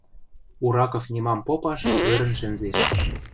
Ураков нимам попаш ӧрӹн шӹнзеш: